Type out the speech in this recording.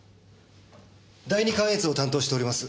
第二関越を担当しております